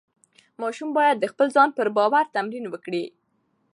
ماشوم باید د خپل ځان پر باور تمرین وکړي.